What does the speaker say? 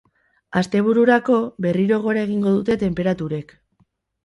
Astebururako, berriro gora egingo dute tenperaturek.